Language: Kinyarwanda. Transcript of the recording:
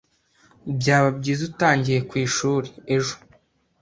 Byaba byiza utagiye ku ishuri ejo.